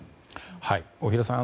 大平さん